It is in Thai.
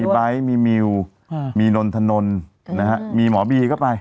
มีไบด์ตร์ตร์มีมิวมีนนทนนนะคะมีหมอบีก็ไป